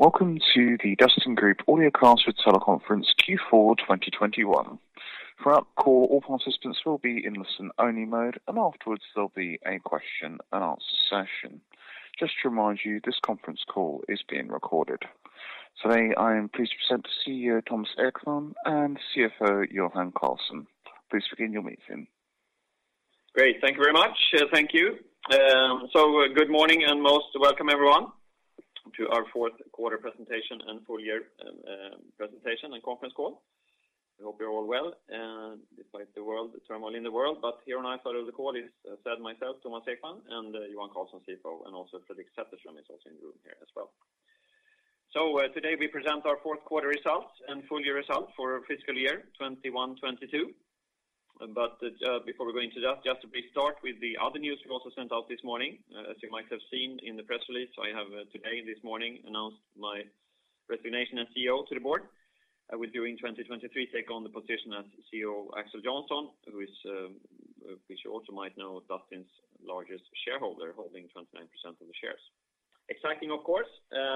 Welcome to the Dustin Group Audio Cast Teleconference Q4 2021. Throughout the call, all participants will be in listen-only mode, and afterwards there'll be a question and answer session. Just to remind you, this conference call is being recorded. Today, I am pleased to present the CEO, Thomas Ekman, and CFO, Johan Karlsson. Please begin your meeting. Great. Thank you very much. Thank you. Good morning, and most welcome everyone to our fourth quarter presentation and full year presentation and conference call. I hope you're all well, despite the turmoil in the world. Here on our side of the call is, as said, myself, Thomas Ekman, and Johan Karlsson, CFO, and also Fredrik Sätterström is also in the room here as well. Today we present our fourth quarter results and full year results for our fiscal year 2021-2022. Before we go into that, just to start with the other news we also sent out this morning. As you might have seen in the press release, I have today, this morning, announced my resignation as CEO to the board. During 2023, take on the position as CEO Axel Johnson AB, which you also might know, Dustin's largest shareholder, holding 29% of the shares. Exciting of course,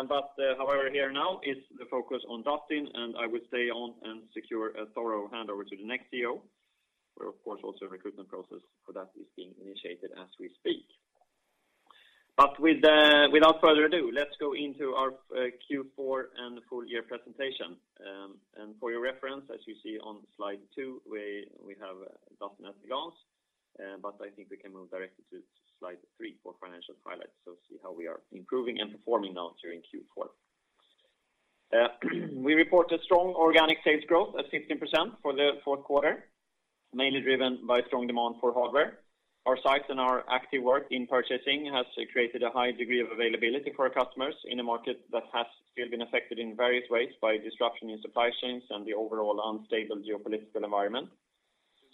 but however, here now is the focus on Dustin, and I would stay on and secure a thorough handover to the next CEO. We're of course also in recruitment process for that is being initiated as we speak, but without further ado, let's go into our Q4 and full year presentation. For your reference, as you see on slide two, we have Dustin at a glance, but I think we can move directly to slide three for financial highlights. See how we are improving and performing now during Q4. We reported strong organic sales growth at 15% for the fourth quarter, mainly driven by strong demand for hardware. Our size and our active work in purchasing has created a high degree of availability for our customers in a market that has still been affected in various ways by disruption in supply chains and the overall unstable geopolitical environment.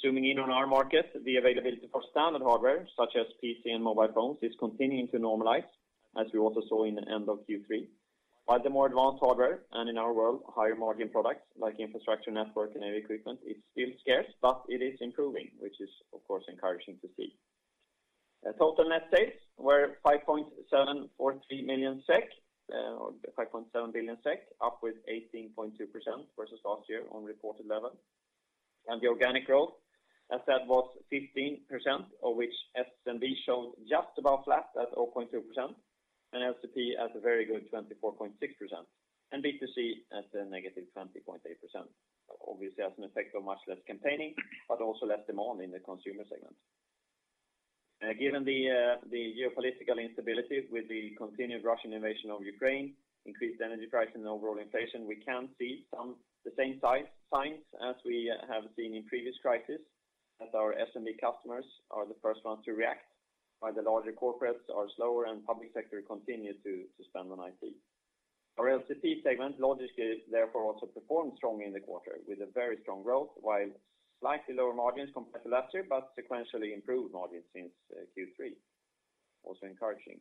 Zooming in on our market, the availability for standard hardware such as PC and mobile phones is continuing to normalize, as we also saw in the end of Q3, but the more advanced hardware and in our world, higher margin products like infrastructure, network, and heavy equipment is still scarce, but it is improving, which is of course encouraging to see. Total net sales were 5.743 million SEK, or 5.7 billion SEK, up 18.2% versus last year on reported level. The organic growth, as said, was 15%, of which SMB showed just about flat at 0.2%, and LCP at a very good 24.6%, and B2C at a negative 20.8%. Obviously, as an effect of much less campaigning, but also less demand in the consumer segment. Given the geopolitical instability with the continued Russian invasion of Ukraine, increased energy prices and overall inflation, we can see the same signs as we have seen in previous crisis, as our SMB customers are the first ones to react, while the larger corporates are slower and public sector continue to spend on IT. Our LCP segment, logically, therefore also performed strongly in the quarter with a very strong growth, while slightly lower margins compared to last year, but sequentially improved margins since Q3. Encouraging.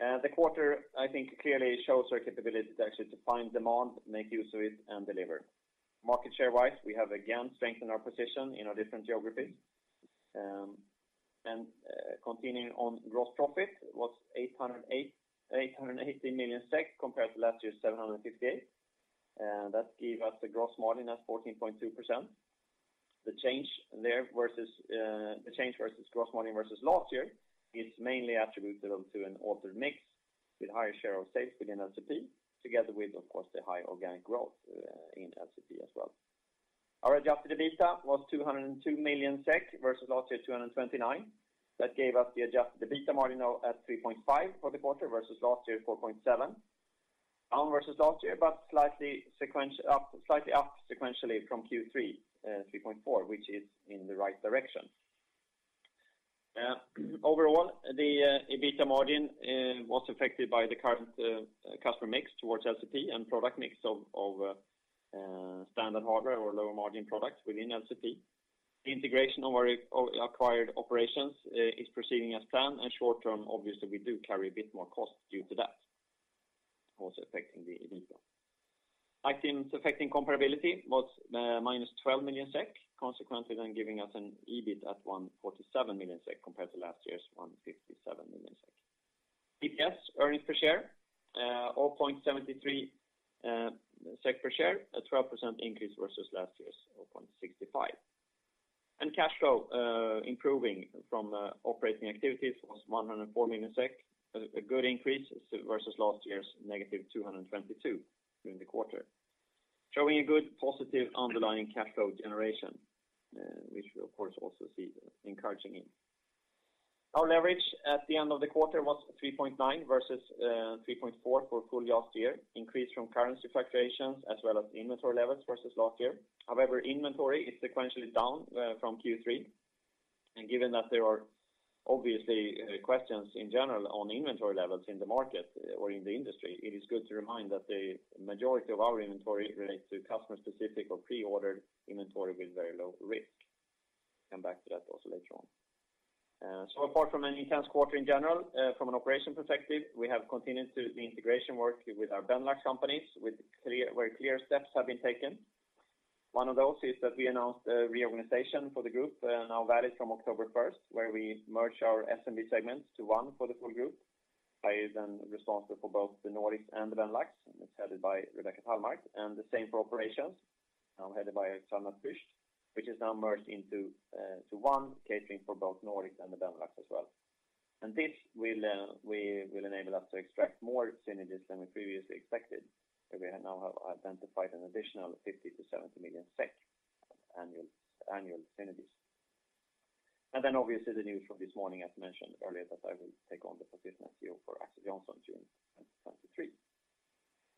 The quarter, I think, clearly shows our capability to actually find demand, make use of it and deliver. Market share-wise, we have again strengthened our position in our different geographies. Continuing on, gross profit was 880 million SEK compared to last year's 758 million. That gives us the gross margin as 14.2%. The change there versus the change versus gross margin versus last year is mainly attributable to an altered mix with higher share of sales within LCP, together with, of course, the high organic growth in LCP as well. Our adjusted EBITDA was 202 million SEK versus last year, 229. That gave us the EBITDA margin now at 3.5% for the quarter versus last year, 4.7%. Down versus last year, but slightly up sequentially from Q3, 3.4%, which is in the right direction. Overall, the EBITDA margin was affected by the current customer mix towards LCP and product mix of standard hardware or lower margin products within LCP. Integration of our acquired operations is proceeding as planned, and short term, obviously, we do carry a bit more cost due to that, also affecting the EBITDA. Items affecting comparability was minus 12 million SEK, consequently then giving us an EBIT at 147 million SEK compared to last year's 157 million SEK. EPS, earnings per share, 0.73 SEK per share, a 12% increase versus last year's 0.65. Cash flow from operating activities was 104 million SEK, a good increase versus last year's negative 222 million during the quarter. Showing a good positive underlying cash flow generation, which we of course also see encouraging in. Our leverage at the end of the quarter was 3.9 versus 3.4 for full last year, increased from currency fluctuations as well as inventory levels versus last year. However, inventory is sequentially down from Q3. Given that there are obviously questions in general on inventory levels in the market or in the industry, it is good to remind that the majority of our inventory relates to customer-specific or pre-order inventory with very low risk. Come back to that also later on. Apart from an intense quarter in general, from an operation perspective, we have continued to the integration work with our Benelux companies, with very clear steps have been taken. One of those is that we announced a reorganization for the group, and now that is from October first, where we merge our SMB segments to one for the full group, by then responsible for both the Nordics and the Benelux, and it's headed by Rebecca Tallmark, and the same for operations, now headed by Alexander Püsch, which is now merged into to one catering for both Nordics and the Benelux as well. This will enable us to extract more synergies than we previously expected, where we now have identified an additional 50 million-70 million SEK annual synergies. Then obviously the news from this morning, as mentioned earlier, that I will take on the position as CEO for Axel Johnson June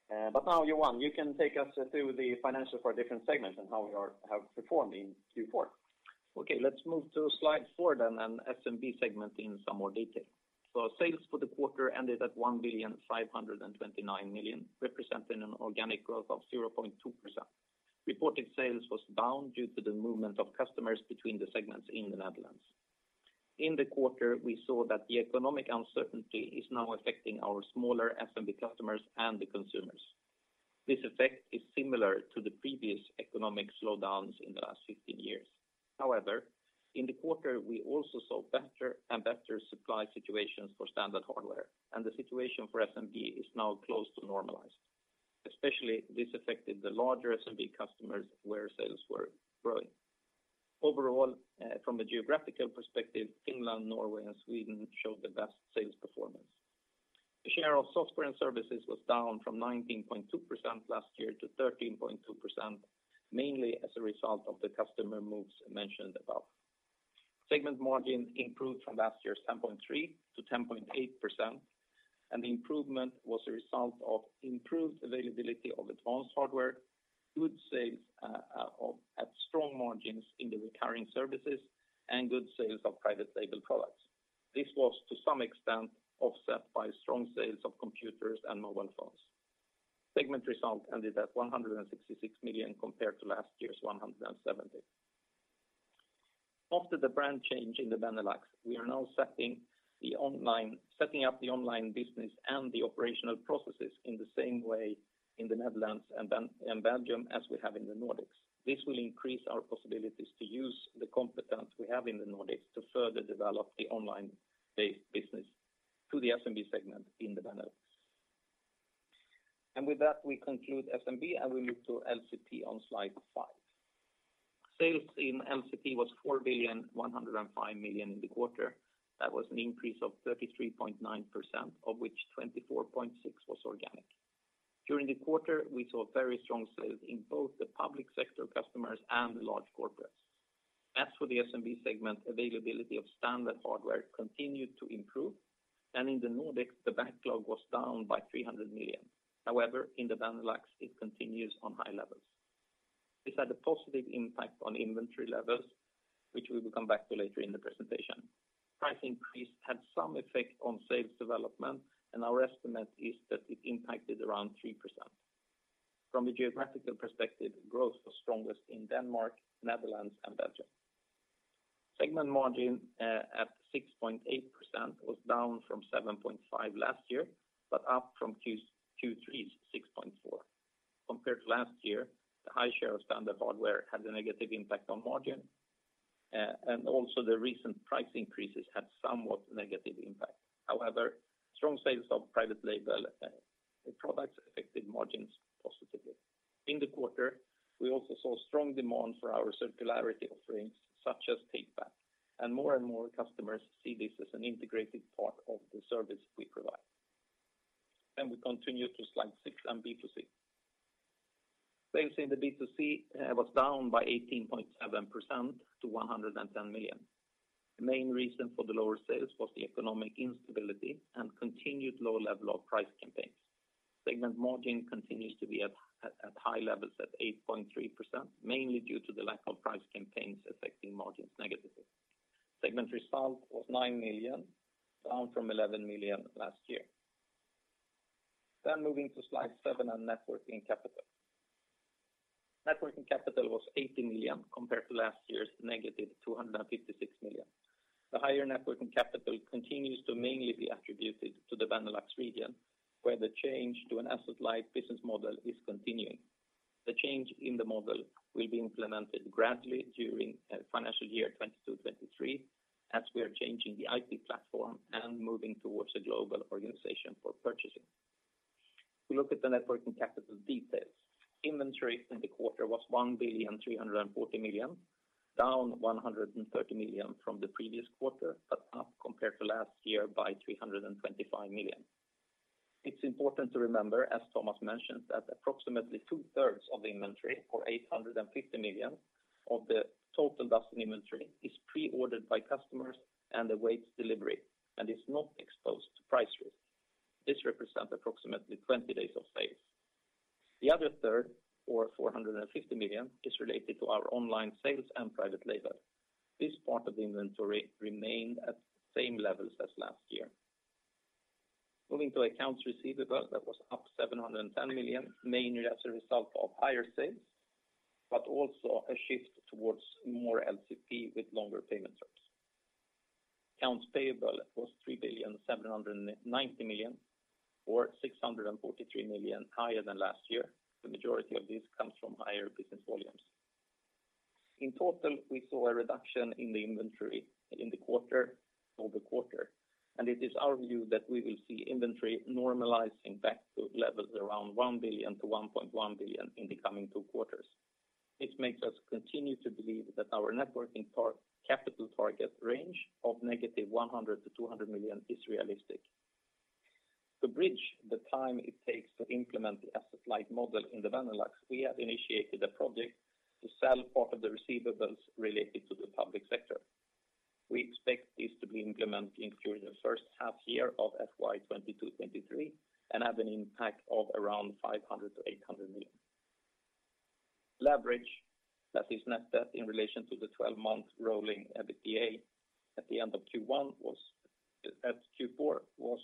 23. Now Johan, you can take us through the financials for our different segments and how we have performed in Q4. Okay, let's move to slide four then, and SMB segment in some more detail. Sales for the quarter ended at 1,529 million, representing an organic growth of 0.2%. Reported sales was down due to the movement of customers between the segments in the Netherlands. In the quarter, we saw that the economic uncertainty is now affecting our smaller SMB customers and the consumers. This effect is similar to the previous economic slowdowns in the last 15 years. However, in the quarter, we also saw better and better supply situations for standard hardware, and the situation for SMB is now close to normalized. Especially this affected the larger SMB customers where sales were growing. Overall, from a geographical perspective, Finland, Norway, and Sweden showed the best sales performance. The share of software and services was down from 19.2% last year to 13.2%, mainly as a result of the customer moves mentioned above. Segment margin improved from last year's 10.3% to 10.8%, and the improvement was a result of improved availability of advanced hardware, good sales at strong margins in the recurring services, and good sales of private label products. This was, to some extent, offset by strong sales of computers and mobile phones. Segment result ended at 166 million compared to last year's 170 million. After the brand change in the Benelux, we are now setting up the online business and the operational processes in the same way in the Netherlands and Belgium as we have in the Nordics. This will increase our possibilities to use the competence we have in the Nordics to further develop the online-based business to the SMB segment in the Benelux. With that, we conclude SMB, and we move to LCP on slide five. Sales in LCP was 4,105 million in the quarter. That was an increase of 33.9%, of which 24.6% was organic. During the quarter, we saw very strong sales in both the public sector customers and the large corporates. As for the SMB segment, availability of standard hardware continued to improve, and in the Nordics, the backlog was down by 300 million. However, in the Benelux, it continues on high levels. This had a positive impact on inventory levels, which we will come back to later in the presentation. Price increase had some effect on sales development, and our estimate is that it impacted around 3%. From a geographical perspective, growth was strongest in Denmark, Netherlands, and Belgium. Segment margin at 6.8% was down from 7.5% last year, but up from Q3's 6.4%. Compared to last year, the high share of standard hardware had a negative impact on margin, and also the recent price increases had somewhat negative impact. However, strong sales of private label products affected margins positively. In the quarter, we also saw strong demand for our circularity offerings, such as Take Back, and more and more customers see this as an integrated part of the service we provide. We continue to slide six and B2C. Sales in the B2C was down by 18.7% to 110 million. The main reason for the lower sales was the economic instability and continued low level of price campaigns. Segment margin continues to be at high levels at 8.3%, mainly due to the lack of price campaigns affecting margins negatively. Segment result was 9 million, down from 11 million last year. Moving to slide seven on net working capital. Net working capital was 80 million compared to last year's -256 million. The higher net working capital continues to mainly be attributed to the Benelux region, where the change to an asset-light business model is continuing. The change in the model will be implemented gradually during financial year 2022/2023 as we are changing the IT platform and moving towards a global organization for purchasing. If we look at the net working capital details, inventory in the quarter was 1.34 billion, down 130 million from the previous quarter, but up compared to last year by 325 million. It's important to remember, as Thomas mentioned, that approximately two-thirds of the inventory or 850 million of the total Dustin inventory is pre-ordered by customers and awaits delivery, and is not exposed to price risk. This represents approximately 20 days of sales. The other third, or 450 million, is related to our online sales and private label. This part of the inventory remained at the same levels as last year. Moving to accounts receivable, that was up 710 million, mainly as a result of higher sales, but also a shift towards more LCP with longer payment terms. Accounts payable was 3.79 billion or 643 million higher than last year. The majority of this comes from higher business volumes. In total, we saw a reduction in the inventory in the quarter-over-quarter, and it is our view that we will see inventory normalizing back to levels around 1 billion to 1.1 billion in the coming two quarters. This makes us continue to believe that our net working capital target range of -100 million to 200 million is realistic. To bridge the time it takes to implement the asset-light model in the Benelux, we have initiated a project to sell part of the receivables related to the public sector. We expect this to be implemented during the first half year of FY 2022-2023 and have an impact of around 500 million-800 million. Leverage, that is net debt in relation to the twelve-month rolling EBITDA at Q4 was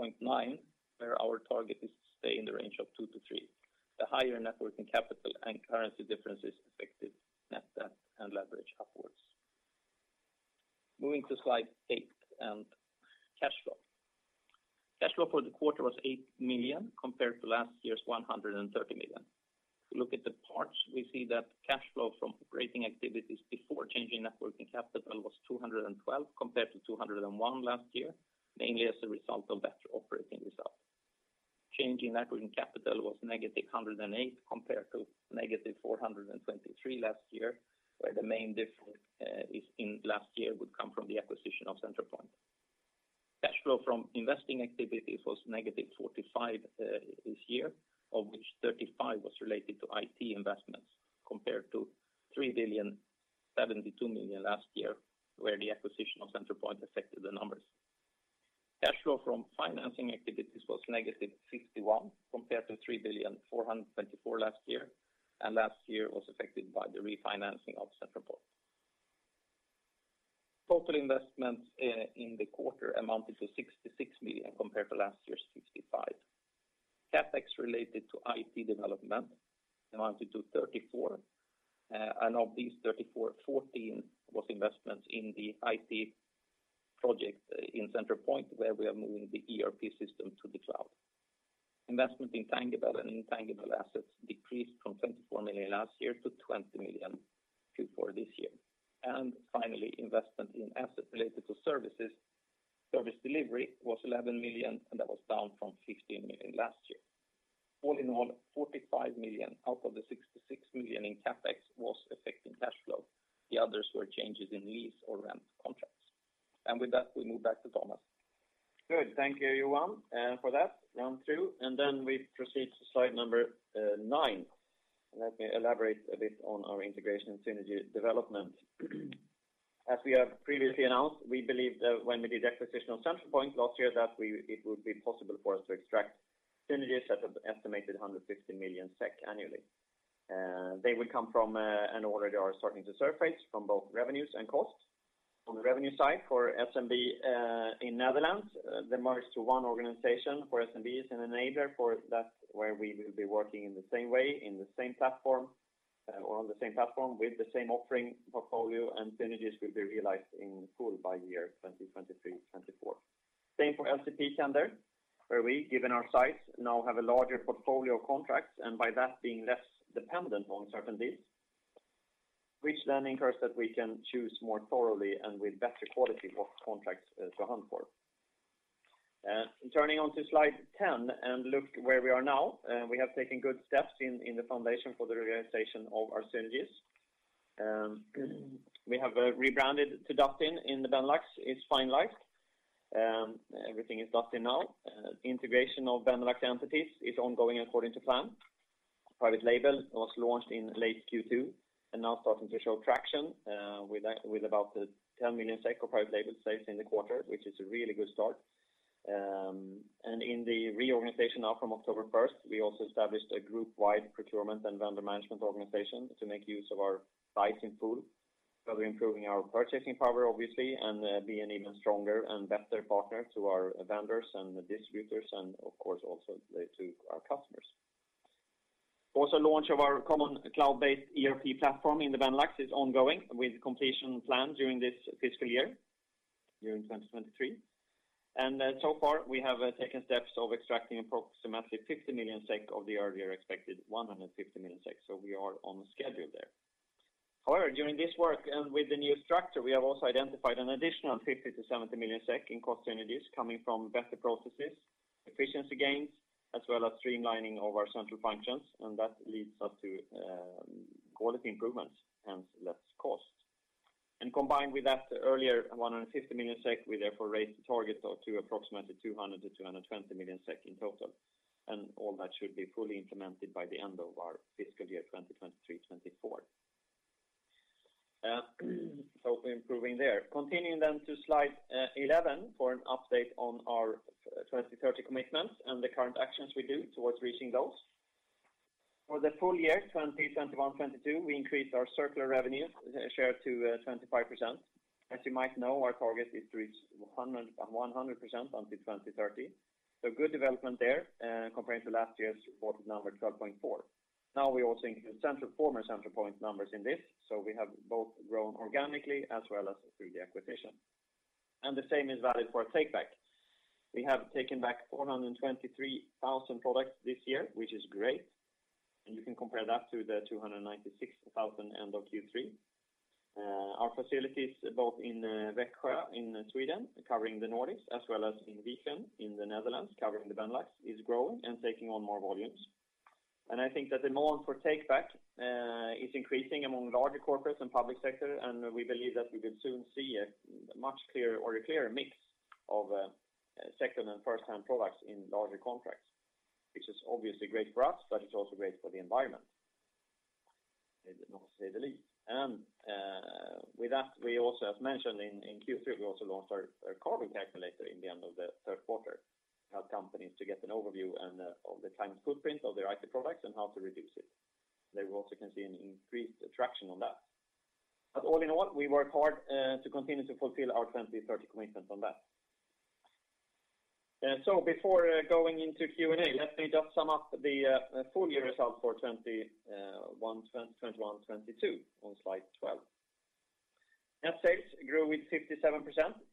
3.9, where our target is to stay in the range of 2-3. The higher net working capital and currency differences affected net debt and leverage upwards. Moving to slide eight and cash flow. Cash flow for the quarter was 8 million compared to last year's 130 million. If we look at the parts, we see that cash flow from operating activities before changes in working capital was 212 million compared to 201 million last year, mainly as a result of better operating results. Change in working capital was -108 million compared to -423 million last year, where the main difference is in last year would come from the acquisition of Centralpoint. Cash flow from investing activities was -45 million this year, of which 35 million was related to IT investments, compared to 3,072 million last year, where the acquisition of Centralpoint affected the numbers. Cash flow from financing activities was -61 million compared to 3,424 million last year, and last year was affected by the refinancing of Centralpoint. Total investments in the quarter amounted to 66 million compared to last year's 65. CapEx related to IT development amounted to 34, and of these 34, 14 was investments in the IT project in Centralpoint where we are moving the ERP system to the cloud. Investment in tangible and intangible assets decreased from 24 million last year to 20 million Q4 this year. Finally, investment in assets related to services, service delivery was 11 million, and that was down from 15 million last year. All in all, 45 million out of the 66 million in CapEx was affecting cash flow. The others were changes in lease or rent contracts. With that, we move back to Thomas. Good. Thank you, Johan, for that round through. We proceed to slide number 9. Let me elaborate a bit on our integration synergy development. As we have previously announced, we believed that when we did the acquisition of Centralpoint last year that it would be possible for us to extract synergies at an estimated 150 million SEK annually. They would come from, and already are starting to surface from both revenues and costs. On the revenue side for SMB, in the Netherlands, the merger to one organization for SMBs in the Netherlands where we will be working in the same way, in the same platform, or on the same platform with the same offering portfolio and synergies will be realized in full by 2023, 2024. Same for LCP tender, where we, given our size, now have a larger portfolio of contracts, and by that being less dependent on certain deals, which then ensures that we can choose more thoroughly and with better quality what contracts to hunt for. Turning to slide 10 and look where we are now. We have taken good steps in the foundation for the realization of our synergies. We have rebranded to Dustin in the Benelux. It's finalized. Everything is Dustin now. Integration of Benelux entities is ongoing according to plan. Private label was launched in late Q2 and now starting to show traction with about 10 million of private label sales in the quarter, which is a really good start. in the reorganization now from October first, we also established a group-wide procurement and vendor management organization to make use of our size in full, further improving our purchasing power, obviously, and being an even stronger and better partner to our vendors and distributors and of course also to our customers. Also, launch of our common cloud-based ERP platform in the Benelux is ongoing with completion planned during this fiscal year, during 2023. so far, we have taken steps of extracting approximately 50 million SEK of the earlier expected 150 million SEK, so we are on schedule there. However, during this work and with the new structure, we have also identified an additional 50-70 million SEK in cost synergies coming from better processes, efficiency gains, as well as streamlining of our central functions, and that leads us to quality improvements, hence less cost. Combined with that earlier 150 million SEK, we therefore raised the target of to approximately 200-220 million SEK in total. All that should be fully implemented by the end of our fiscal year 2023/24. Improving there. Continuing to slide eleven for an update on our 2030 commitment and the current actions we do towards reaching those. For the full year 2021-22, we increased our circular revenue share to 25%. As you might know, our target is to reach 100% until 2030. Good development there, compared to last year's reported number 12.4. Now we also include Centralpoint numbers in this. We have both grown organically as well as through the acquisition. The same is valid for Take Back. We have taken back 423,000 products this year, which is great. You can compare that to the 296,000 end of Q3. Our facilities both in Växjö in Sweden, covering the Nordics as well as in Wijchen in the Netherlands, covering the Benelux, is growing and taking on more volumes. I think that the demand for Take Back is increasing among larger corporates and public sector. We believe that we will soon see a much clearer mix of second and first-hand products in larger contracts, which is obviously great for us, but it's also great for the environment. With that, we also, as mentioned in Q3, launched our carbon calculator at the end of the third quarter. It helps companies to get an overview of the climate footprint of their IT products and how to reduce it. We also can see increased traction on that. All in all, we work hard to continue to fulfill our 2030 commitment on that. Before going into Q&A, let me just sum up the full year results for 2021, 2022 on slide 12. Net sales grew 57%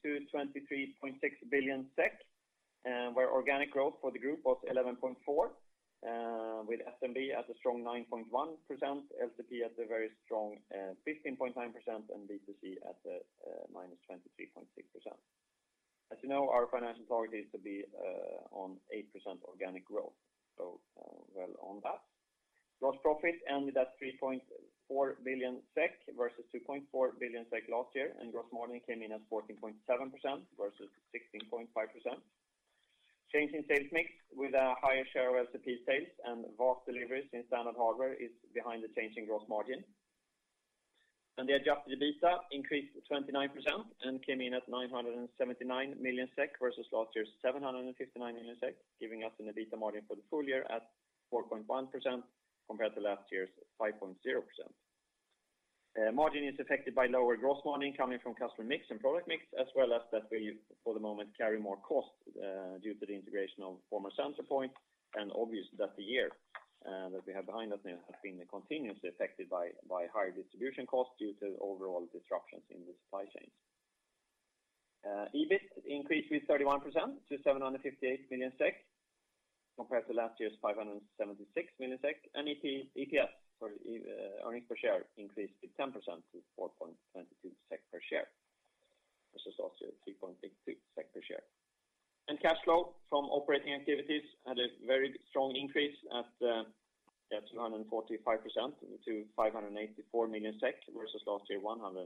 to 23.6 billion SEK, where organic growth for the group was 11.4%, with SMB at a strong 9.1%, LCP at a very strong 15.9%, and B2C at -23.6%. As you know, our financial target is to be on 8% organic growth. Well on that. Gross profit ended at 3.4 billion SEK versus 2.4 billion SEK last year, and gross margin came in at 14.7% versus 16.5%. Change in sales mix with a higher share of LCP sales and vast deliveries in standard hardware is behind the change in gross margin. The adjusted EBITDA increased 29% and came in at 979 million SEK versus last year's 759 million SEK, giving us an EBITDA margin for the full year at 4.1% compared to last year's 5.0%. Margin is affected by lower gross margin coming from customer mix and product mix, as well as that we for the moment carry more cost due to the integration of former Centralpoint. Obviously, that the year that we have behind us now has been continuously affected by higher distribution costs due to overall disruptions in the supply chains. EBIT increased with 31% to 758 million SEK compared to last year's 576 million SEK. EPS or earnings per share increased by 10% to 4.22 SEK per share versus last year's 3.66 SEK per share. Cash flow from operating activities had a very strong increase of 245% to 584 million SEK versus last year 169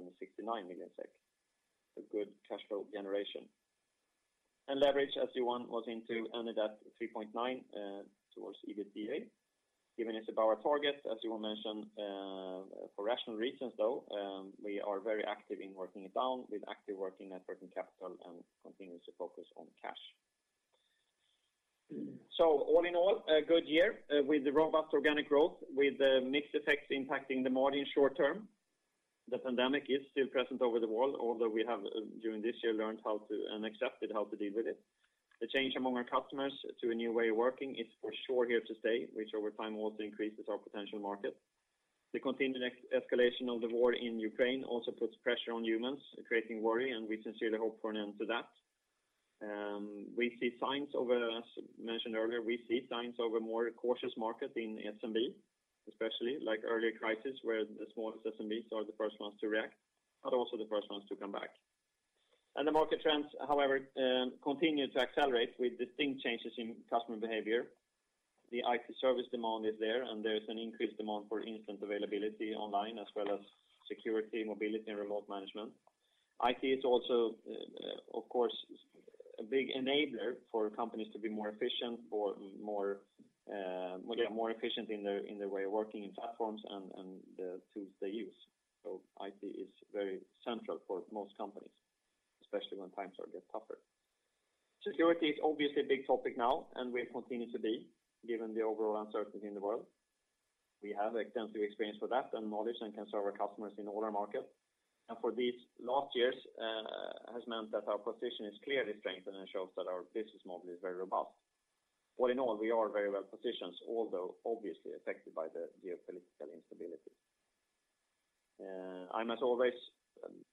million SEK. A good cash flow generation. Leverage as you know ended at 3.9 towards EBITDA. Given it's above our target, as you all mentioned, for rational reasons though, we are very active in working it down with active working net working capital and continuous focus on cash. All in all, a good year with the robust organic growth, with the mixed effects impacting the margin short term. The pandemic is still present over the world, although we have, during this year learned how to and accepted how to deal with it. The change among our customers to a new way of working is for sure here to stay, which over time also increases our potential market. The continued escalation of the war in Ukraine also puts pressure on humans, creating worry, and we sincerely hope for an end to that. We see signs of, as mentioned earlier, a more cautious market in SMB, especially like earlier crisis, where the smallest SMBs are the first ones to react, but also the first ones to come back. The market trends, however, continue to accelerate with distinct changes in customer behavior. The IT service demand is there, and there's an increased demand for instant availability online as well as security, mobility, and remote management. IT is also, of course, a big enabler for companies to be more efficient in their way of working in platforms and the tools they use. IT is very central for most companies, especially when times get tougher. Security is obviously a big topic now, and will continue to be, given the overall uncertainty in the world. We have extensive experience with that and knowledge and can serve our customers in all our markets. These last years have meant that our position is clearly strengthened and shows that our business model is very robust. All in all, we are very well positioned, although obviously affected by the geopolitical instability. I must always,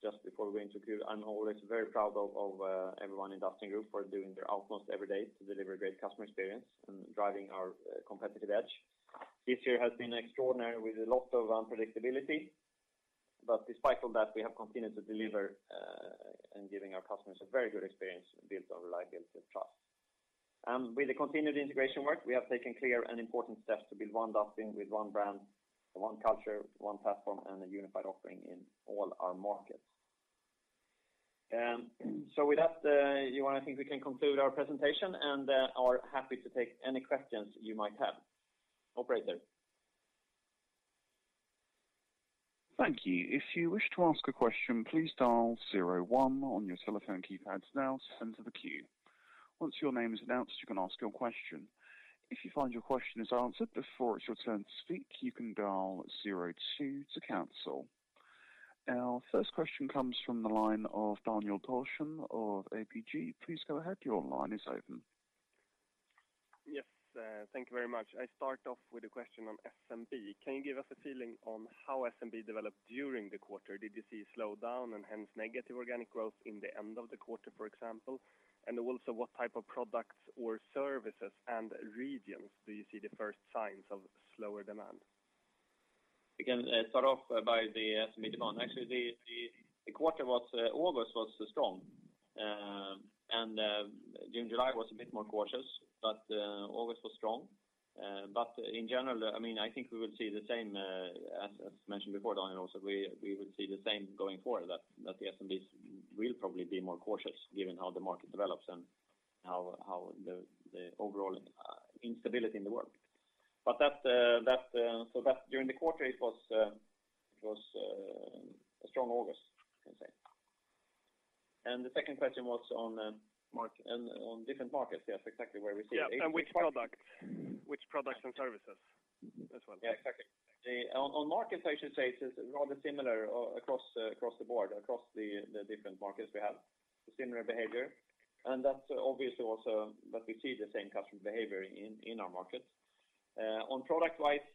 just before we go into queue, I'm always very proud of everyone in Dustin Group for doing their utmost every day to deliver a great customer experience and driving our competitive edge. This year has been extraordinary with a lot of unpredictability. Despite all that, we have continued to deliver and giving our customers a very good experience built on reliability and trust. With the continued integration work, we have taken clear and important steps to build one Dustin with one brand, one culture, one platform, and a unified offering in all our markets. With that, Johan, I think we can conclude our presentation and are happy to take any questions you might have. Operator? Thank you. If you wish to ask a question, please dial zero one on your telephone keypads now to enter the queue. Once your name is announced, you can ask your question. If you find your question is answered before it's your turn to speak, you can dial zero two to cancel. Our first question comes from the line of Daniel Paulsson of APG. Please go ahead. Your line is open. Yes, thank you very much. I start off with a question on SMB. Can you give us a feeling on how SMB developed during the quarter? Did you see a slowdown and hence negative organic growth in the end of the quarter, for example? What type of products or services and regions do you see the first signs of slower demand? Start off by the SMB demand. Actually, the quarter was, August was strong. June, July was a bit more cautious, but August was strong. But in general, I mean, I think we will see the same as mentioned before, Daniel, also, we would see the same going forward that the SMBs will probably be more cautious given how the market develops and how the overall instability in the world. But that during the quarter, it was a strong August, you can say. The second question was on- Market On different markets. Yes, exactly where we see Yeah, which products and services as well? Yeah, exactly. On markets, I should say it is rather similar across the board, across the different markets we have. Similar behavior. That's obviously also that we see the same customer behavior in our markets. On product wise,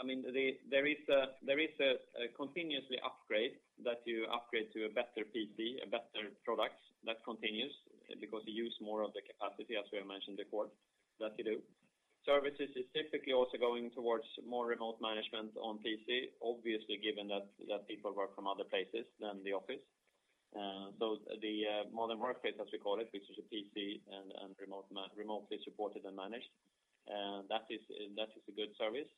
I mean, there is a continuous upgrade that you upgrade to a better PC, a better products. That continues because you use more of the capacity, as we have mentioned before, that you do. Services is typically also going towards more remote management on PC, obviously, given that people work from other places than the office. The modern workplace, as we call it, which is a PC and remotely supported and managed, that is a good service.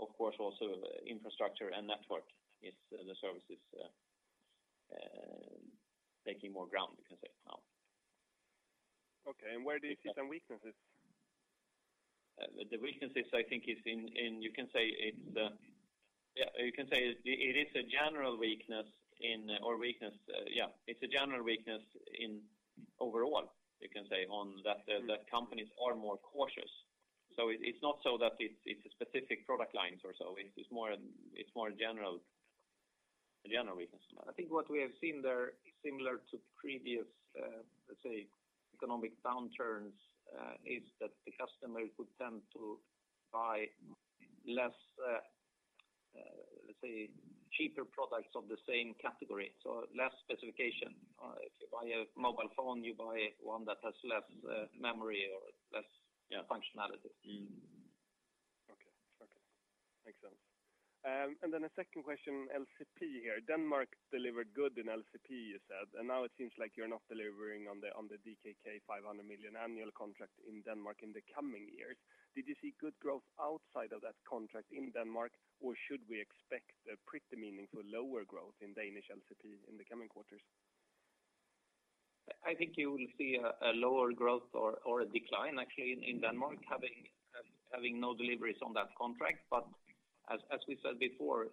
Of course, also infrastructure and network is the services taking more ground, you can say now. Okay. Where do you see some weaknesses? The weaknesses I think is, you can say, a general weakness overall. The companies are more cautious. It's not so that it's a specific product lines or so. It's more general, a general weakness. I think what we have seen there is similar to previous, let's say, economic downturns is that the customer would tend to buy less, let's say, cheaper products of the same category. Less specification. If you buy a mobile phone, you buy one that has less memory or less functionality. Okay. Makes sense. A second question, LCP here. Denmark delivered good in LCP, you said, and now it seems like you're not delivering on the DKK 500 million annual contract in Denmark in the coming years. Did you see good growth outside of that contract in Denmark? Should we expect a pretty meaningful lower growth in Danish LCP in the coming quarters? I think you will see a lower growth or a decline actually in Denmark having no deliveries on that contract. As we said before,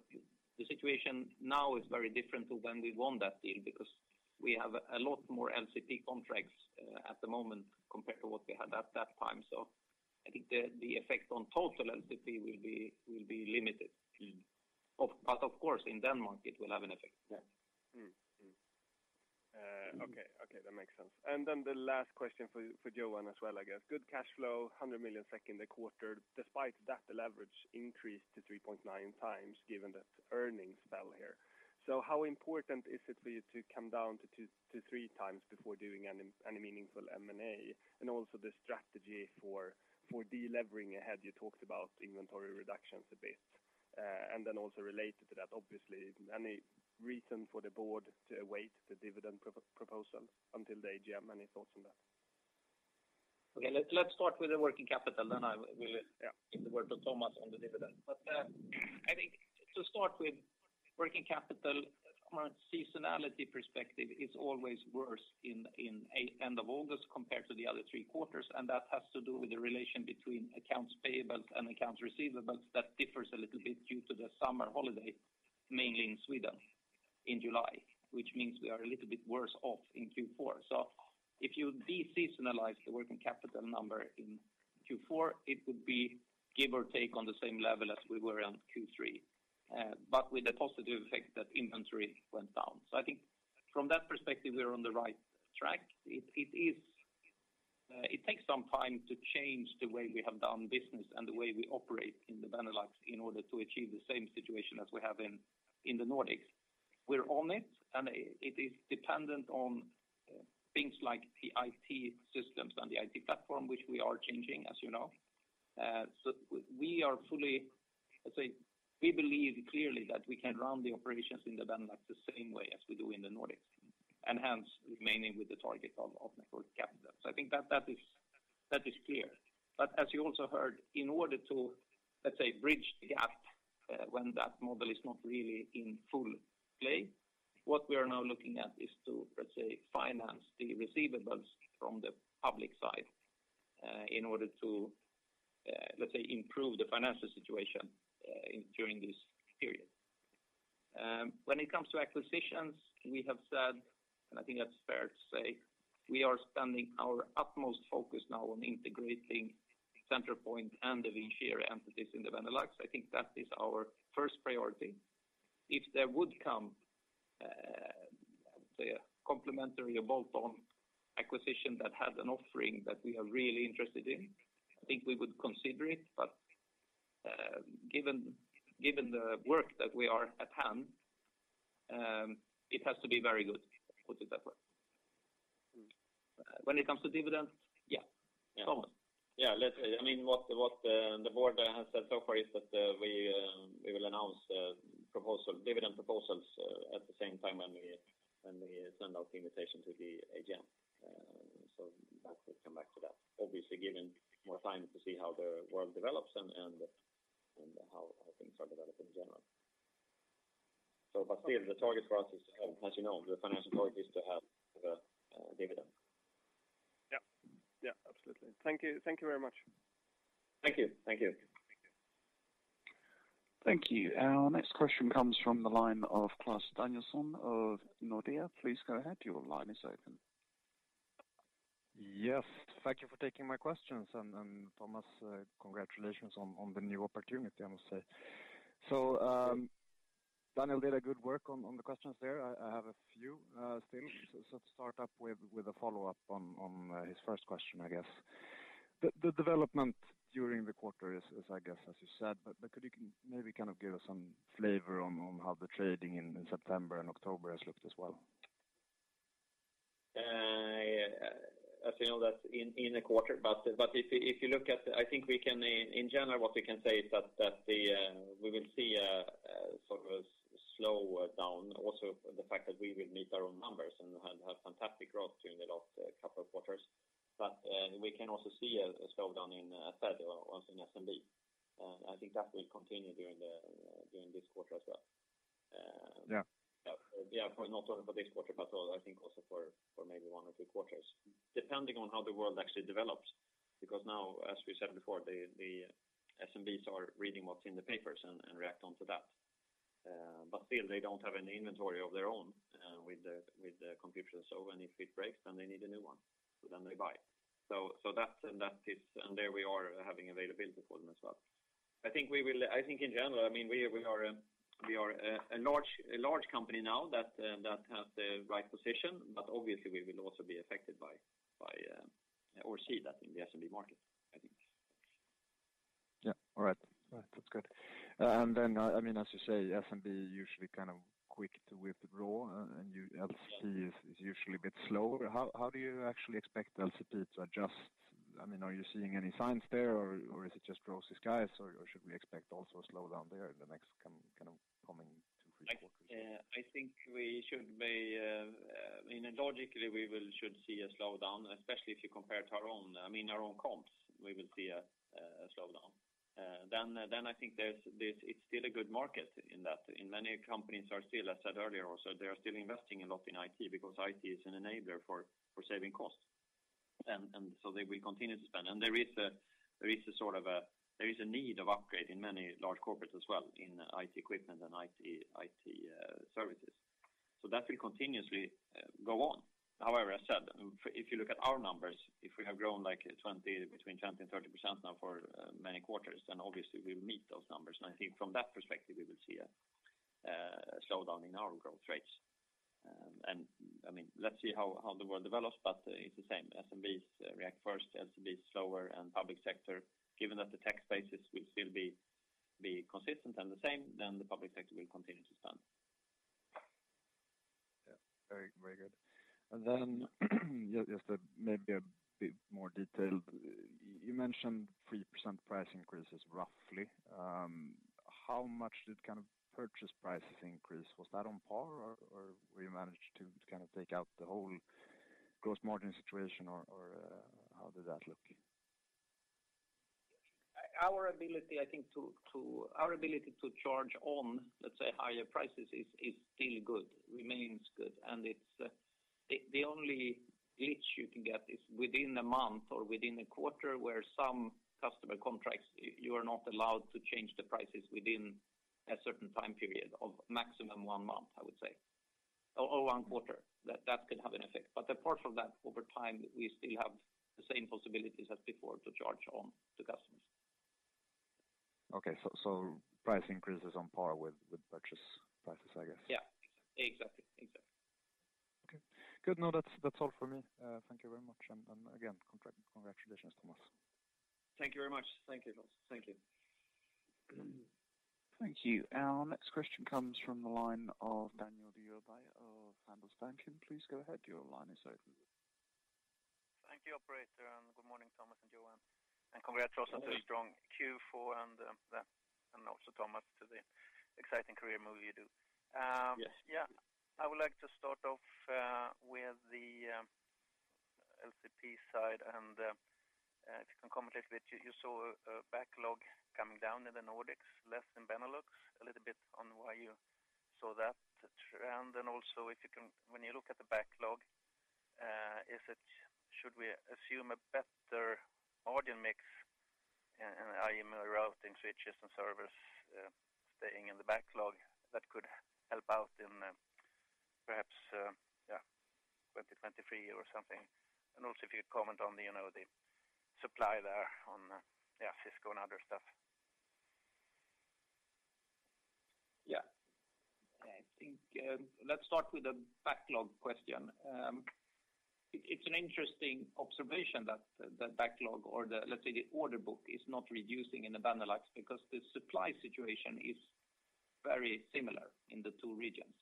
the situation now is very different to when we won that deal because we have a lot more LCP contracts at the moment compared to what we had at that time. I think the effect on total LCP will be limited. Mm-hmm. Of course in Denmark it will have an effect. Yes. Okay. Okay, that makes sense. Then the last question for Johan as well, I guess. Good cash flow, 100 million in the second quarter. Despite that, the leverage increased to 3.9 times given that earnings fell here. How important is it for you to come down to 2-3 times before doing any meaningful M&A? Also the strategy for delevering ahead. You talked about inventory reductions a bit. Also related to that, obviously, any reason for the board to await the dividend proposal until the AGM? Any thoughts on that? Okay. Let's start with the working capital, then I will give the word to Thomas on the dividend. I think to start with working capital from a seasonality perspective is always worse in end of August compared to the other three quarters. That has to do with the relation between accounts payables and accounts receivables. That differs a little bit due to the summer holiday, mainly in Sweden in July, which means we are a little bit worse off in Q4. If you deseasonalize the working capital number in Q4, it would be give or take on the same level as we were on Q3, but with the positive effect that inventory went down. I think from that perspective, we are on the right track. It takes some time to change the way we have done business and the way we operate in the Benelux in order to achieve the same situation as we have in the Nordics. We're on it, and it is dependent on things like the IT systems and the IT platform, which we are changing, as you know. We are fully, let's say, we believe clearly that we can run the operations in the Benelux the same way as we do in the Nordics, and hence remaining with the target of net working capital. I think that is clear. As you also heard, in order to, let's say, bridge the gap, when that model is not really in full play, what we are now looking at is to, let's say, finance the receivables from the public side, in order to, let's say improve the financial situation, during this period. When it comes to acquisitions, we have said, and I think that's fair to say, we are spending our utmost focus now on integrating Centralpoint and the Vincere entities in the Benelux. I think that is our first priority. If there would come, say a complementary or bolt-on acquisition that has an offering that we are really interested in, I think we would consider it. Given the work that we have at hand, it has to be very good, let's put it that way. When it comes to dividends? Yeah. Thomas. Yeah. Let's say, I mean, the board has said so far is that we will announce dividend proposals at the same time when we send out the invitation to the AGM. That will come back to that. Obviously, given more time to see how the world develops and how things are developing in general, but still, the target for us is to have, as you know, the financial target is to have the dividend. Yeah. Yeah. Absolutely. Thank you. Thank you very much. Thank you. Thank you. Thank you. Our next question comes from the line of Klas Danielsson of Nordea. Please go ahead. Your line is open. Yes. Thank you for taking my questions. Thomas, congratulations on the new opportunity, I must say. Daniel did a good work on the questions there. I have a few still. To start up with a follow-up on his first question, I guess. The development during the quarter is, I guess, as you said, but could you maybe kind of give us some flavor on how the trading in September and October has looked as well? As you know, that's in a quarter. If you look at, I think we can, in general, what we can say is that we will see a sort of slowdown, also the fact that we will meet our own numbers and have fantastic growth during the last couple of quarters. We can also see a slowdown in Q3 or also in SMB. I think that will continue during this quarter as well. Yeah. Yeah. Not only for this quarter, but also I think for maybe one or two quarters, depending on how the world actually develops. Because now, as we said before, the SMBs are reading what's in the papers and react to that. Still they don't have any inventory of their own with the computer. When it breaks, then they need a new one, so then they buy. That's and there we are having availability for them as well. I think in general, I mean, we are a large company now that has the right position, but obviously we will also be affected by or see that in the SMB market, I think. Yeah. All right. That's good. I mean, as you say, SMB usually kind of quick to withdraw, and your LCP is usually a bit slower. How do you actually expect LCP to adjust? I mean, are you seeing any signs there or is it just blue skies or should we expect also a slowdown there in the next two, three quarters? I think, I mean, logically, we should see a slowdown, especially if you compare to our own, I mean, our own comps. We will see a slowdown. I think it's still a good market in that many companies are still investing a lot in IT because IT is an enabler for saving costs, as said earlier also. They will continue to spend. There is a sort of a need for upgrade in many large corporates as well in IT equipment and IT services. That will continuously go on. However, as said, if you look at our numbers, if we have grown like 20, between 20% and 30% now for many quarters, then obviously we'll meet those numbers. I think from that perspective, we will see a slowdown in our growth rates. I mean, let's see how the world develops, but it's the same. SMBs react first, LCP is slower, and public sector, given that the tax basis will still be consistent and the same, then the public sector will continue to spend. Yeah. Very, very good. Just maybe a bit more detailed. You mentioned 3% price increases roughly. How much did kind of purchase prices increase? Was that on par or were you able to manage to kind of take out the whole gross margin situation or how did that look? Our ability, I think, to charge on, let's say, higher prices is still good, remains good. It's the only glitch you can get within a month or within a quarter where some customer contracts you are not allowed to change the prices within a certain time period of maximum one month, I would say, or one quarter that could have an effect. Apart from that, over time, we still have the same possibilities as before to charge on to customers. Okay. Price increase is on par with purchase prices, I guess. Yeah. Exactly. Okay. Good. No, that's all for me. Thank you very much. Again, congratulations, Thomas. Thank you very much. Thank you, Klas. Thank you. Thank you. Our next question comes from the line of Daniel Djurberg of Handelsbanken. Please go ahead. Your line is open. Thank you, operator, and good morning, Thomas and Johan. Congrats also to the strong Q4 and also Thomas to the exciting career move you do. Yes. Yeah. I would like to start off with the LCP side, and if you can comment a little bit, you saw a backlog coming down in the Nordics less than Benelux, a little bit on why you saw that trend. Also if you can, when you look at the backlog, is it – should we assume a better order mix in, I mean, routing switches and servers, staying in the backlog that could help out in 2023 or something. Also if you comment on the, you know, the supply there on, yeah, Cisco and other stuff. Yeah. I think, let's start with the backlog question. It's an interesting observation that the backlog or the order book is not reducing in the Benelux because the supply situation is very similar in the two regions.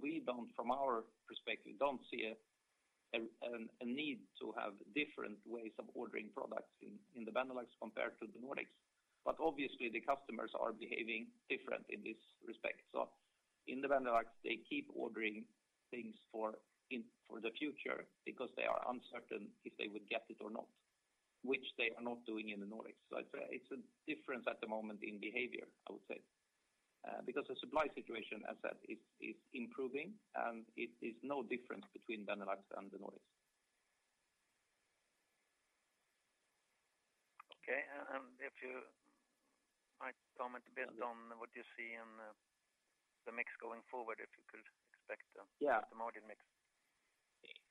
We don't, from our perspective, see a need to have different ways of ordering products in the Benelux compared to the Nordics. Obviously the customers are behaving different in this respect. In the Benelux, they keep ordering things for the future because they are uncertain if they would get it or not, which they are not doing in the Nordics. I'd say it's a difference at the moment in behavior, I would say. Because the supply situation, as said, is improving and it is no difference between Benelux and the Nordics. Okay. If you might comment based on what you see in the mix going forward, if you could expect. Yeah the margin mix.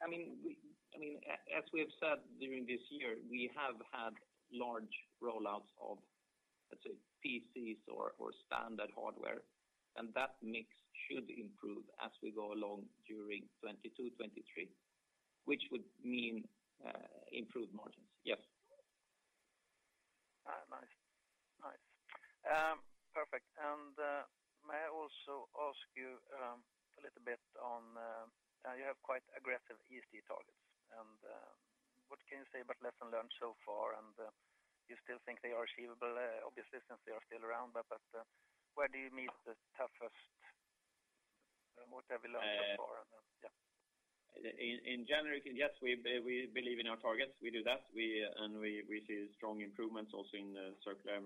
I mean, as we have said during this year, we have had large roll-outs of, let's say, PCs or standard hardware. That mix should improve as we go along during 2022, 2023, which would mean improved margins. Yes. Nice. Perfect. May I also ask you a little bit on you have quite aggressive ESG targets, what can you say about lessons learned so far? You still think they are achievable, obviously since they are still around. Where do you meet the toughest? What have you learned so far? Then, yeah. In general, yes, we believe in our targets. We do that. We see strong improvements also in the circular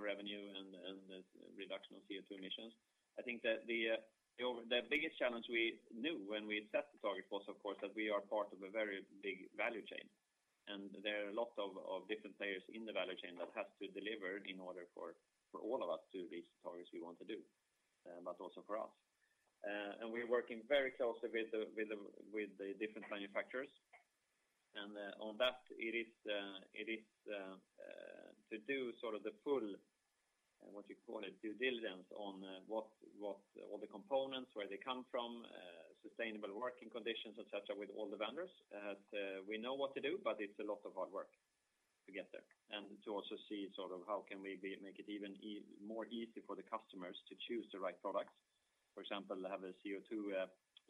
revenue and the reduction of CO2 emissions. I think that the biggest challenge we knew when we set the target was, of course, that we are part of a very big value chain, and there are lots of different players in the value chain that have to deliver in order for all of us to reach the targets we want to do, but also for us. We're working very closely with the different manufacturers. On that, it is to do sort of the full, what you call it, due diligence on what all the components, where they come from, sustainable working conditions, etc., with all the vendors. We know what to do, but it's a lot of hard work to get there. To also see sort of how can we make it even more easy for the customers to choose the right products. For example, have a CO2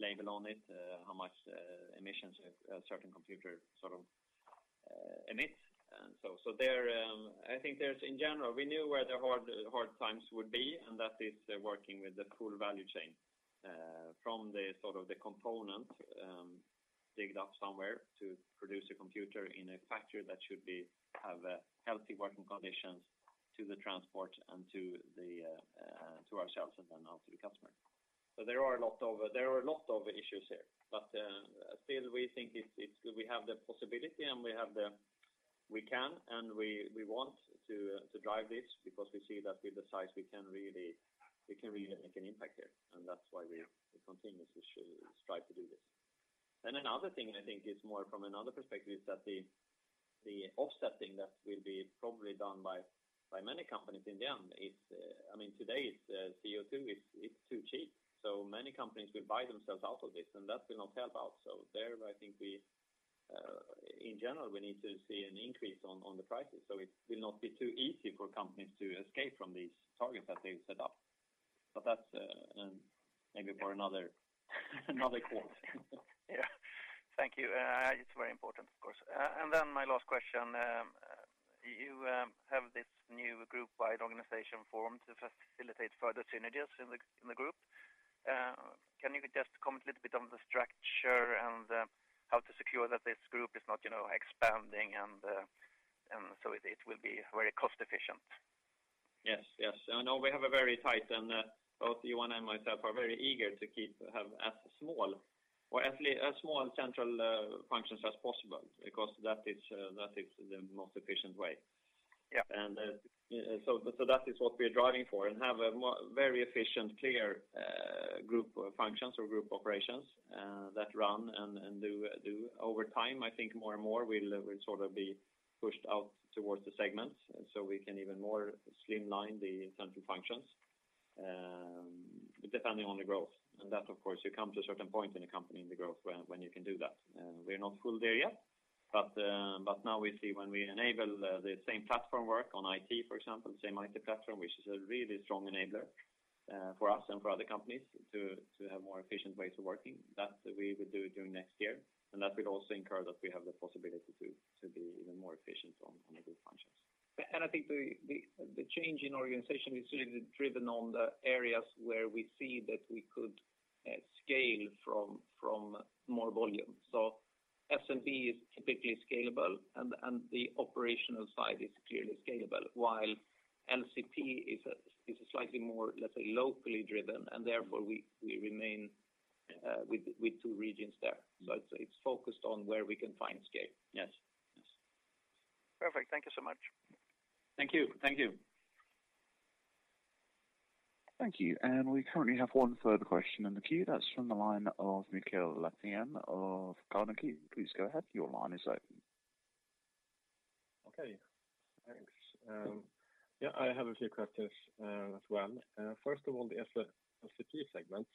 label on it, how much emissions a certain computer sort of emit. I think in general we knew where the hard times would be, and that is working with the full value chain, from the sort of the component dug up somewhere to produce a computer in a factory that should have healthy working conditions to the transport and to ourselves and then out to the customer. There are a lot of issues here. Still we think it's good we have the possibility and we can and we want to drive this because we see that with the size we can really make an impact here. That's why we continuously strive to do this. Another thing I think is more from another perspective is that the offsetting that will be probably done by many companies in the end is, I mean, today it's CO2. It's too cheap. Many companies will buy themselves out of this, and that will not help out. There I think we in general need to see an increase on the prices. It will not be too easy for companies to escape from these targets that they've set up. That's maybe for another call. Thank you. It's very important, of course. My last question. You have this new group-wide organization formed to facilitate further synergies in the group. Can you just comment a little bit on the structure and how to secure that this group is not, you know, expanding and so it will be very cost efficient? Yes. Yes. I know we have a very tight and both Johan and myself are very eager to keep, have as small central functions as possible because that is the most efficient way. Yeah. That is what we are driving for and have a very efficient, clear, group functions or group operations, that run and do over time, I think more and more will sort of be pushed out towards the segments so we can even more streamline the central functions, depending on the growth. That of course, you come to a certain point in the company in the growth when you can do that. We're not fully there yet, but now we see when we enable the same platform work on IT, for example, same IT platform, which is a really strong enabler for us and for other companies to have more efficient ways of working, that we will do during next year. That will also encourage that we have the possibility to be even more efficient on the group functions. I think the change in organization is really driven on the areas where we see that we could scale from more volume. SMB is typically scalable and the operational side is clearly scalable while LCP is slightly more, let's say, locally driven, and therefore we remain with two regions there. It's focused on where we can find scale. Yes. Yes. Perfect. Thank you so much. Thank you. Thank you. Thank you. We currently have one further question in the queue. That's from the line of Mikael Laséen of Carnegie. Please go ahead. Your line is open. Okay, thanks. Yeah, I have a few questions as well. First of all, the S-LCP segment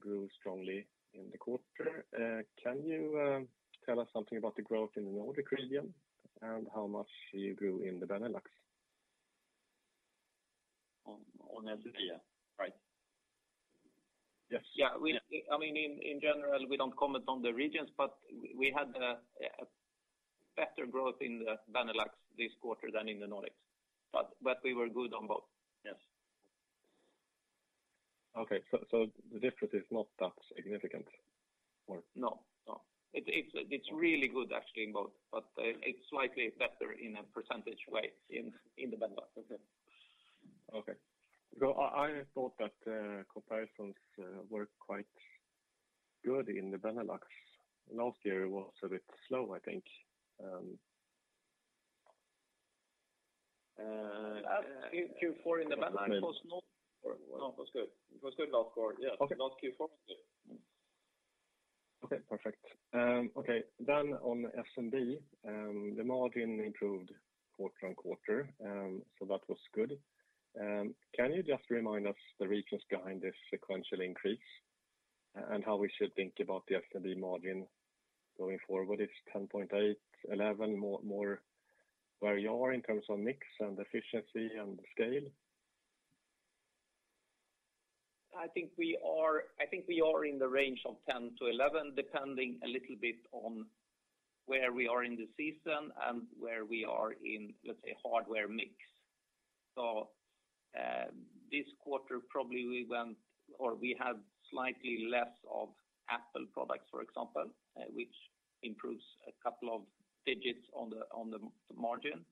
grew strongly in the quarter. Can you tell us something about the growth in the Nordic region and how much you grew in the Benelux? On LCP, right? Yes. Yeah. I mean, in general, we don't comment on the regions, but we had a better growth in the Benelux this quarter than in the Nordics. We were good on both. Yes. Okay. The difference is not that significant, or? No, no. It's really good actually in both, but it's slightly better in a percentage way in the Benelux. Okay. Okay. I thought that comparisons were quite good in the Benelux. Last year was a bit slow, I think. Q4 in the Benelux was good. It was good last quarter. Yeah. Okay. Not Q4. Okay, perfect. On SMB, the margin improved quarter-over-quarter, so that was good. Can you just remind us the reasons behind this sequential increase and how we should think about the SMB margin going forward? It's 10.8%, 11% or more where you are in terms of mix and efficiency and scale. I think we are in the range of 10%-11%, depending a little bit on where we are in the season and where we are in, let's say, hardware mix. This quarter, probably we went or we have slightly less of Apple products, for example, which improves a couple of digits on the margin.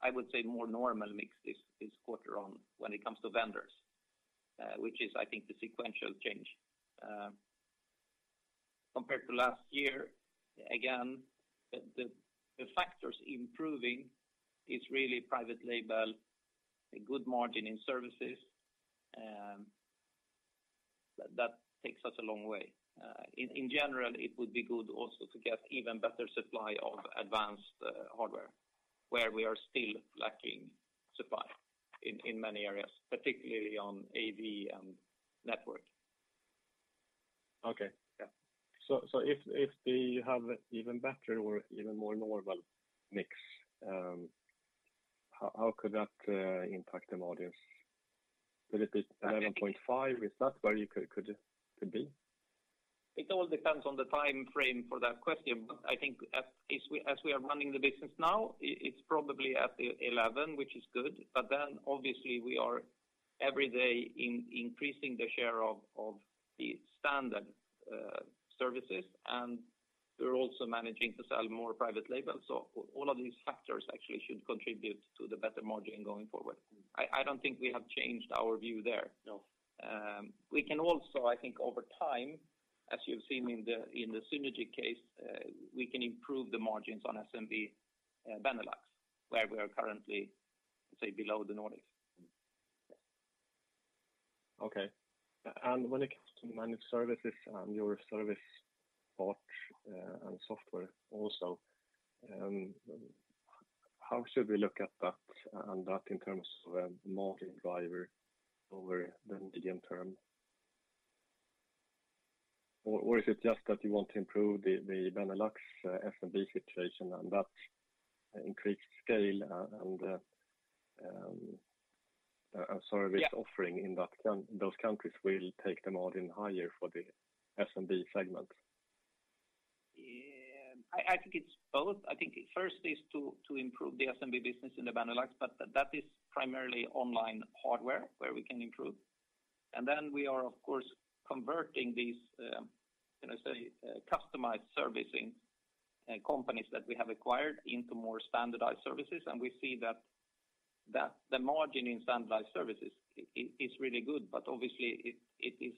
I would say more normal mix this quarter on when it comes to vendors, which is I think the sequential change compared to last year. Again, the factors improving is really private label, a good margin in services. That takes us a long way. In general, it would be good also to get even better supply of advanced hardware where we are still lacking supply in many areas, particularly on AV and network. If we have even better or even more normal mix, how could that impact the margins? Will it be 11.5%? Is that where you could be? It all depends on the time frame for that question. I think as we are running the business now, it's probably at 11%, which is good. Obviously we are every day increasing the share of the standard services, and we're also managing to sell more private label. All of these factors actually should contribute to the better margin going forward. I don't think we have changed our view there. No. We can also, I think over time, as you've seen in the synergy case, we can improve the margins on SMB, Benelux, where we are currently, say, below the Nordics. Okay. When it comes to managed services and your service portfolio, and software also, how should we look at that in terms of a margin driver over the medium term? Is it just that you want to improve the Benelux SMB situation and that increased scale and a service offering in those countries will take the margin higher for the SMB segment? I think it's both. I think first is to improve the SMB business in the Benelux, but that is primarily online hardware where we can improve. Then we are of course converting these, can I say, customized servicing companies that we have acquired into more standardized services. We see that the margin in standardized services is really good, but obviously it is,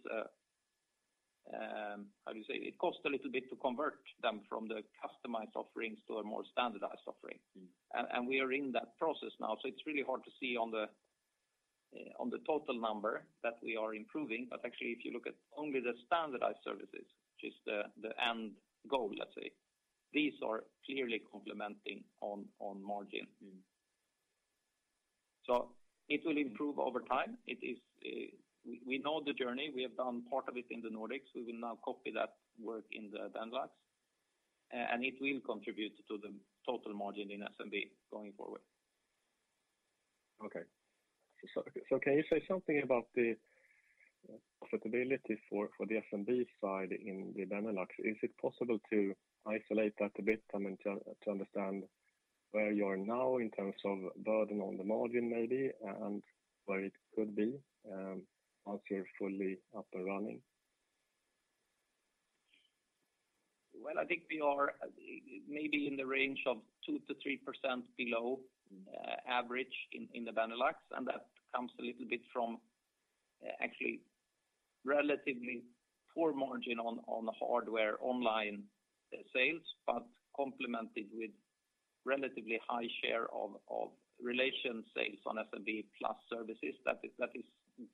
how do you say? It costs a little bit to convert them from the customized offerings to a more standardized offering. Mm-hmm. We are in that process now. It's really hard to see on the total number that we are improving. Actually, if you look at only the standardized services, which is the end goal, let's say, these are clearly complementing on margin. Mm-hmm. It will improve over time. It is. We know the journey. We have done part of it in the Nordics. We will now copy that work in the Benelux, and it will contribute to the total margin in SMB going forward. Okay. Can you say something about the profitability for the SMB side in the Benelux? Is it possible to isolate that a bit, I mean, to understand where you are now in terms of burden on the margin, maybe, and where it could be once you're fully up and running? Well, I think we are maybe in the range of 2%-3% below average in the Benelux, and that comes a little bit from actually relatively poor margin on the hardware online sales, but complemented with relatively high share of relational sales on SMB plus services. That is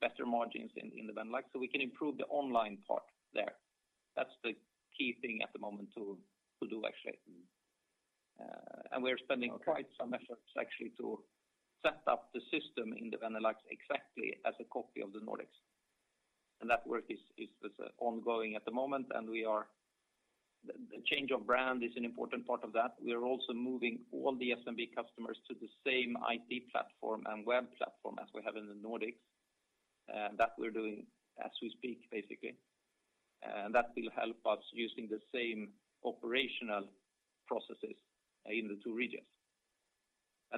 better margins in the Benelux, so we can improve the online part there. That's the key thing at the moment to do actually. We're spending- Okay. Quite some efforts actually to set up the system in the Benelux exactly as a copy of the Nordics. That work is ongoing at the moment, and we are. The change of brand is an important part of that. We are also moving all the SMB customers to the same IT platform and web platform as we have in the Nordics, that we're doing as we speak, basically. That will help us using the same operational processes in the two regions.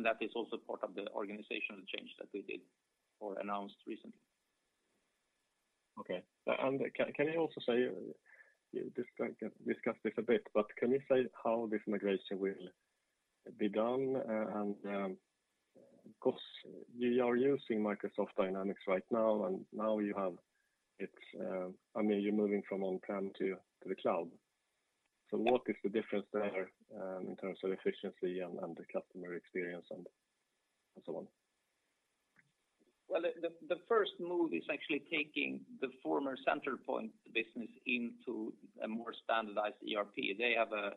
That is also part of the organizational change that we did or announced recently. Okay. Can you also say, you discussed this a bit, but can you say how this migration will be done? Because you are using Microsoft Dynamics right now, and now you have it, I mean, you're moving from on-prem to the cloud. What is the difference there in terms of efficiency and the customer experience and so on? Well, the first move is actually taking the former Centralpoint business into a more standardized ERP. They have a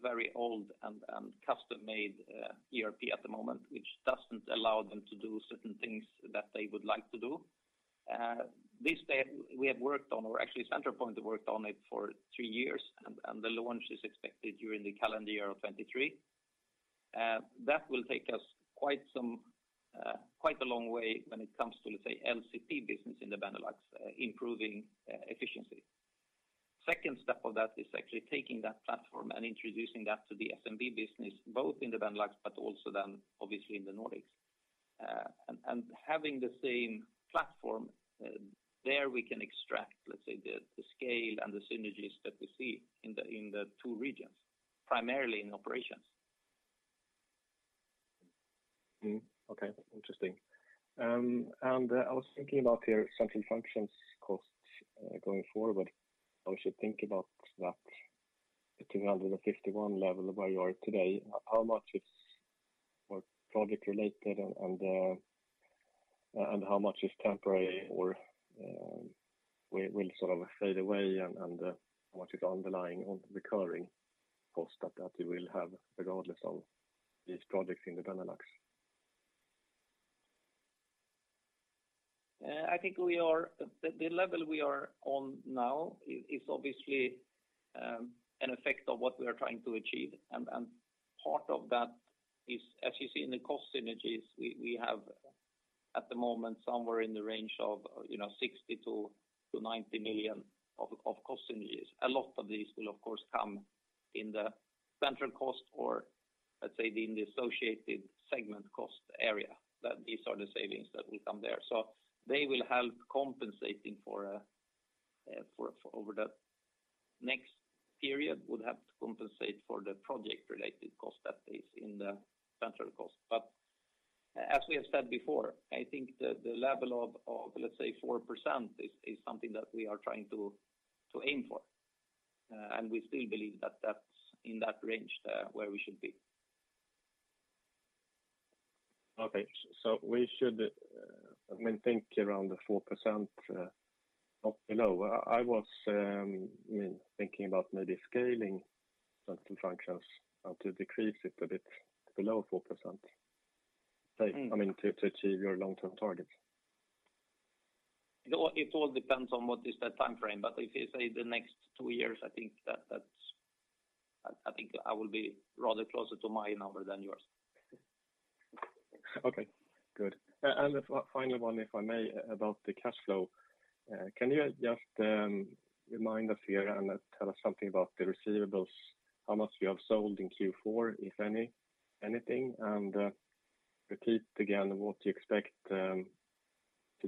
very old and custom-made ERP at the moment, which doesn't allow them to do certain things that they would like to do. Today we have worked on, or actually, Centralpoint worked on it for tjree years, and the launch is expected during the calendar year of 2023. That will take us quite a long way when it comes to, let's say, LCP business in the Benelux, improving efficiency. Second step of that is actually taking that platform and introducing that to the SMB business, both in the Benelux, but also then obviously in the Nordics. Having the same platform, there we can extract, let's say, the scale and the synergies that we see in the two regions, primarily in operations. Okay. Interesting. I was thinking about your central functions costs going forward. I should think about that 251 level where you are today, how much is more project related and how much is temporary or will sort of fade away and how much is underlying or recurring cost that you will have regardless of these projects in the Benelux? I think the level we are on now is obviously an effect of what we are trying to achieve. Part of that is, as you see in the cost synergies we have at the moment somewhere in the range of, you know, 60 million-90 million of cost synergies. A lot of these will of course come in the central cost or let's say, in the associated segment cost area. That these are the savings that will come there. They will help compensating for over the next period would have to compensate for the project-related cost that is in the central cost. As we have said before, I think the level of, let's say 4% is something that we are trying to aim for. We still believe that that's in that range where we should be. Okay. We should, I mean, think around the 4%, up, you know. I was, I mean, thinking about maybe scaling certain functions how to decrease it a bit below 4%. Mm. I mean, to achieve your long-term targets. It all depends on what is the timeframe. If you say the next two years, I think I will be rather closer to my number than yours. Okay, good. Finally, one, if I may, about the cash flow. Can you just remind us here and tell us something about the receivables, how much you have sold in Q4, if any, anything? Repeat again what you expect to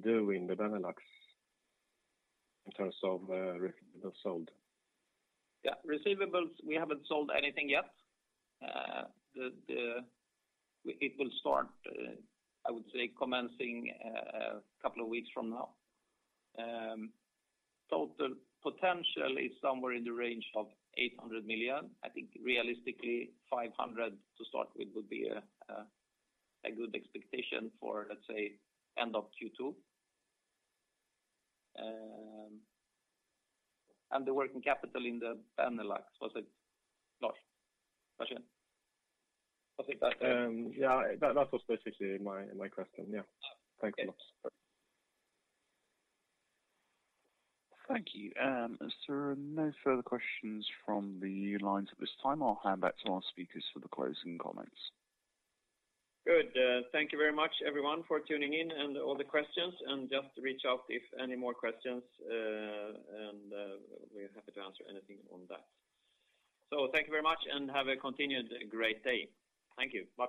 do in the Benelux in terms of receivables sold. Yeah. Receivables, we haven't sold anything yet. It will start, I would say, commencing, couple of weeks from now. The potential is somewhere in the range of 800 million. I think realistically 500 to start with would be a good expectation for, let's say, end of Q2. The working capital in the Benelux. Was it Lars? Lars? I think that's it. Yeah. That was basically my question. Yeah. Thank you, Lars. Okay. Thank you. No further questions from the lines at this time. I'll hand back to our speakers for the closing comments. Good. Thank you very much everyone for tuning in and all the questions, and just reach out if any more questions, and we're happy to answer anything on that. Thank you very much and have a continued great day. Thank you. Bye-bye.